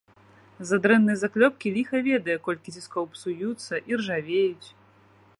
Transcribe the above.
З-за дрэннай заклёпкі ліха ведае колькі ціскоў псуюцца, іржавеюць.